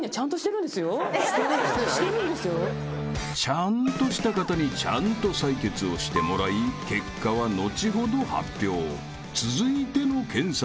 ［ちゃんとした方にちゃんと採血をしてもらい結果は後ほど発表続いての検査へ］